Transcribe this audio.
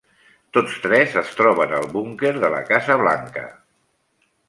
Tots tres es troben al Búnquer de la Casa Blanca.